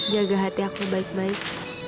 jaga hati aku baik baik